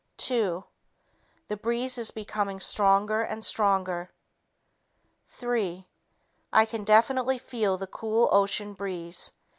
Two ... The breeze is becoming stronger and stronger. Three ... I can definitely feel the cool ocean breeze.